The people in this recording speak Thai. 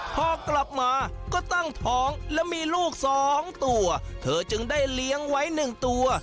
พอกลับมาก็ตั้งท้องและมีลูกสองตัวเธอจึงได้เลี้ยงไว้หนึ่งตัว